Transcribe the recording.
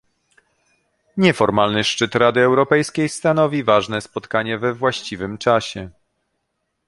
Nieformalny szczyt Rady Europejskiej stanowi ważne spotkanie we właściwym czasie